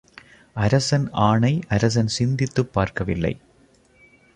அரசன் ஆணை அரசன் சிந்தித்துப் பார்க்கவில்லை.